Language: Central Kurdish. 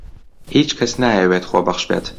هیچ کەس نایەوێت خۆبەخش بێت.